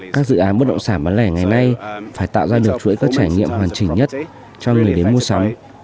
các dự án bất động sản bán lẻ ngày nay phải tạo ra được chuỗi các trải nghiệm hoàn chỉnh nhất cho người đến mua sắm